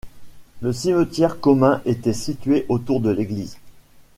Le cimetière commun était situé autour de l'église.